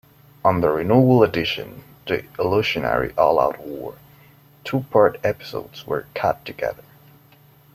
On the renewal edition, the "Illusionary All-Out War" two-part episodes were cut together.